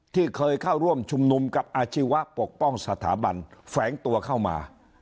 ที่เคยเข้าร่วมชุมนุมกับอาชีวะปกป้องสถาบันแฝงตัวเข้ามา